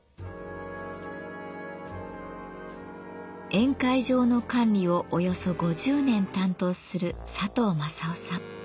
宴会場の管理をおよそ５０年担当する佐藤正夫さん。